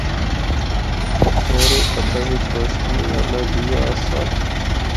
ہور ہک ہتھا بچ روشنی آلہ دیّا آسا۔